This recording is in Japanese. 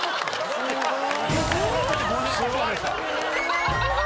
すごい！